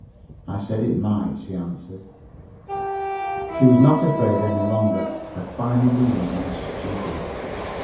"I said 'it might,'" she answered. She was not afraid, any longer, of finding the evening stupid.